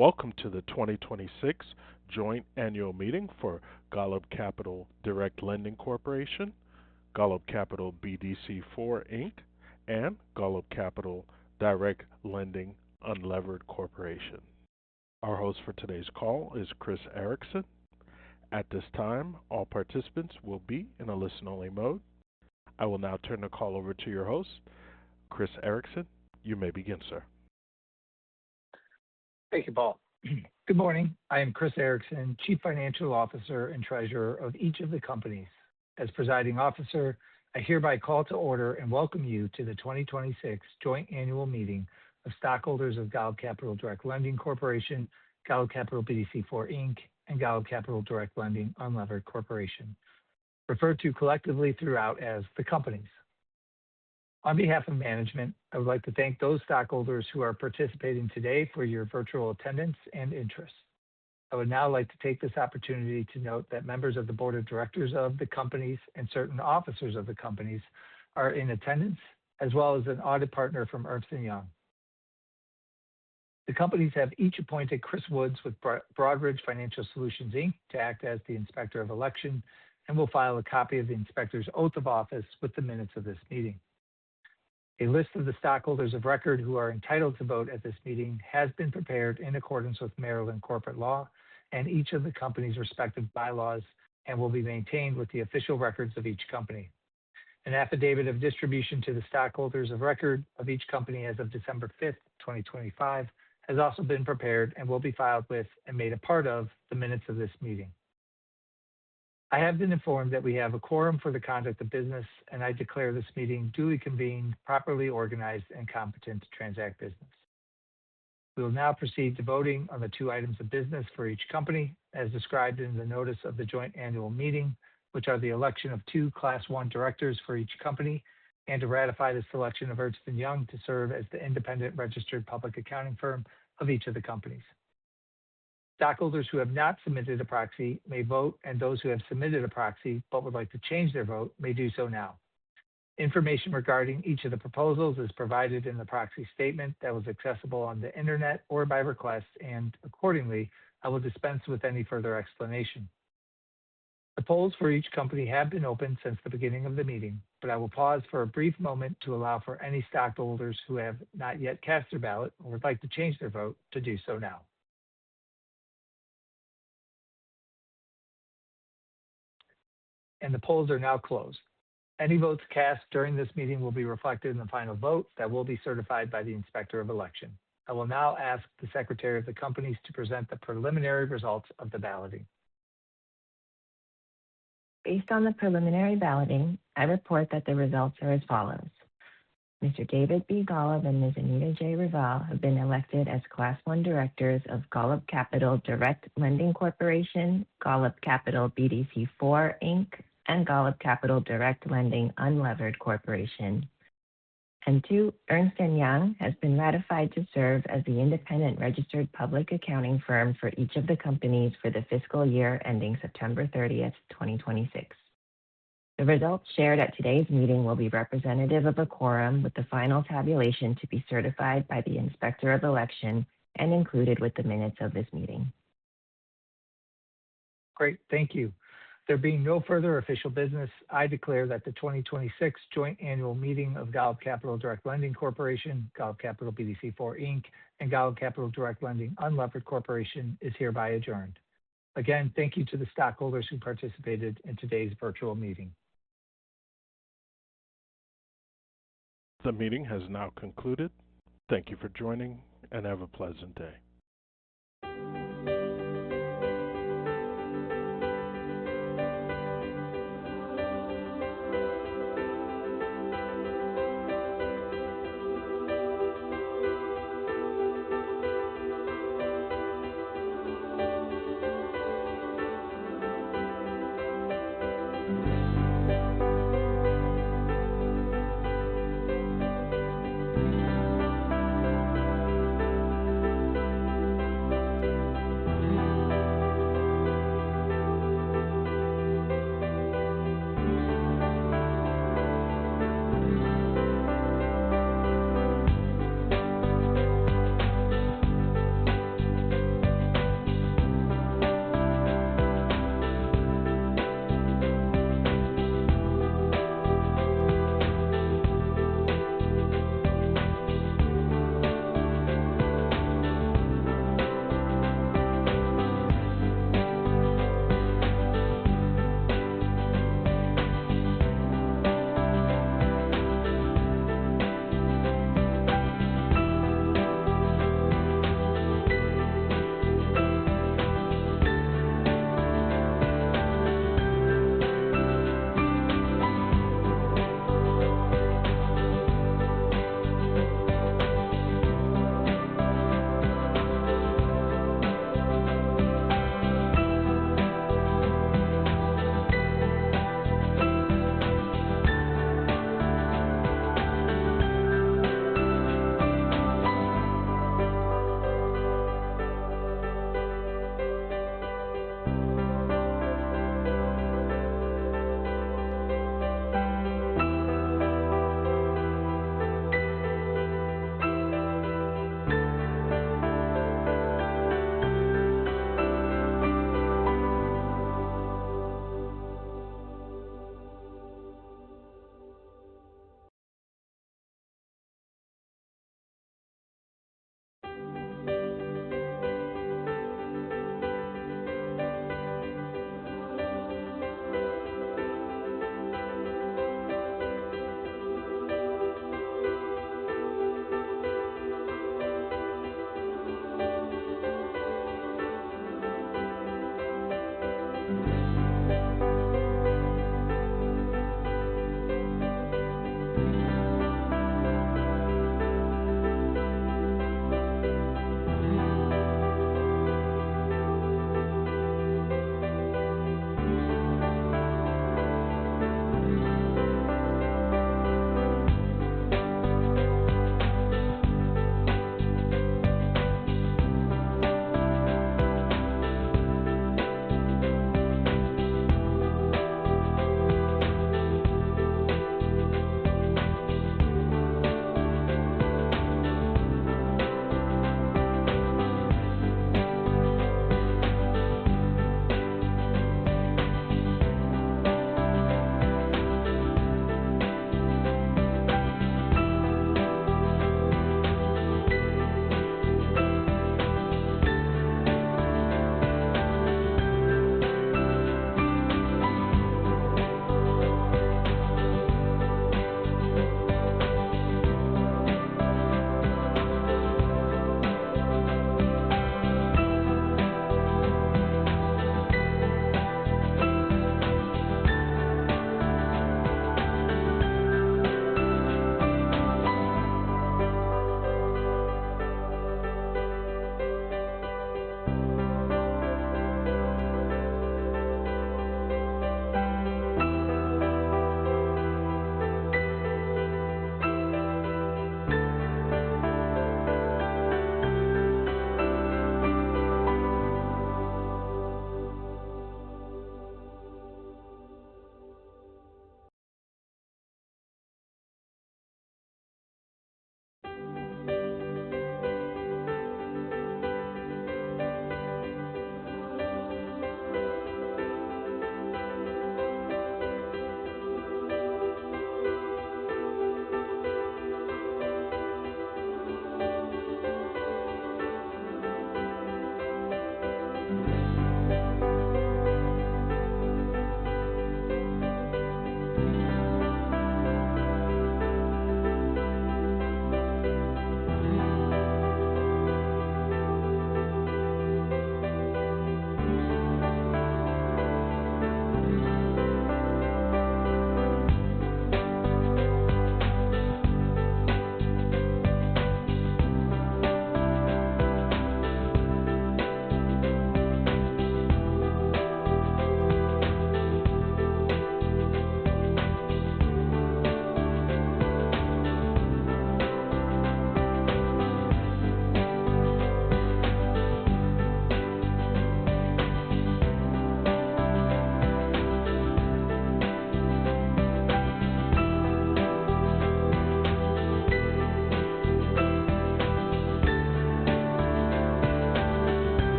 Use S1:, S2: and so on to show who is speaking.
S1: Welcome to the 2026 joint annual meeting for Golub Capital Direct Lending Corporation, Golub Capital BDC 4, Inc., and Golub Capital Direct Lending Unlevered Corporation. Our host for today's call is Chris Ericson. At this time, all participants will be in a listen-only mode. I will now turn the call over to your host. Chris Ericson, you may begin, sir.
S2: Thank you, Paul. Good morning. I am Chris Ericson, Chief Financial Officer and Treasurer of each of the companies. As Presiding Officer, I hereby call to order and welcome you to the 2026 joint annual meeting of stockholders of Golub Capital Direct Lending Corporation, Golub Capital BDC 4, Inc., and Golub Capital Direct Lending Unlevered Corporation, referred to collectively throughout as the companies. On behalf of management, I would like to thank those stockholders who are participating today for your virtual attendance and interest. I would now like to take this opportunity to note that members of the board of directors of the companies and certain officers of the companies are in attendance, as well as an audit partner from Ernst & Young. The companies have each appointed Chris Woods with Broadridge Financial Solutions, Inc. to act as the inspector of election and will file a copy of the inspector's oath of office with the minutes of this meeting. A list of the stockholders of record who are entitled to vote at this meeting has been prepared in accordance with Maryland corporate law and each of the company's respective bylaws and will be maintained with the official records of each company. An affidavit of distribution to the stockholders of record of each company as of December 5th, 2025, has also been prepared and will be filed with and made a part of the minutes of this meeting. I have been informed that we have a quorum for the conduct of business, and I declare this meeting duly convened, properly organized, and competent to transact business. We will now proceed to voting on the two items of business for each company as described in the notice of the joint annual meeting, which are the election of two Class I directors for each company and to ratify the selection of Ernst & Young to serve as the independent registered public accounting firm of each of the companies. Stockholders who have not submitted a proxy may vote, and those who have submitted a proxy but would like to change their vote may do so now. Information regarding each of the proposals is provided in the proxy statement that was accessible on the internet or by request, and accordingly, I will dispense with any further explanation. The polls for each company have been open since the beginning of the meeting, but I will pause for a brief moment to allow for any stockholders who have not yet cast their ballot or would like to change their vote to do so now. The polls are now closed. Any votes cast during this meeting will be reflected in the final vote that will be certified by the inspector of election. I will now ask the secretary of the companies to present the preliminary results of the balloting.
S3: Based on the preliminary balloting, I report that the results are as follows. Mr. David B. Golub and Ms. Anita J. Rival have been elected as Class I directors of Golub Capital Direct Lending Corporation, Golub Capital BDC 4, Inc., and Golub Capital Direct Lending Unlevered Corporation. And two, Ernst & Young has been ratified to serve as the independent registered public accounting firm for each of the companies for the fiscal year ending September 30th, 2026. The results shared at today's meeting will be representative of a quorum with the final tabulation to be certified by the inspector of election and included with the minutes of this meeting.
S2: Great. Thank you. There being no further official business, I declare that the 2026 joint annual meeting of Golub Capital Direct Lending Corporation, Golub Capital BDC 4, Inc., and Golub Capital Direct Lending Unlevered Corporation is hereby adjourned. Again, thank you to the stockholders who participated in today's virtual meeting.
S1: The meeting has now concluded. Thank you for joining, and have a pleasant day.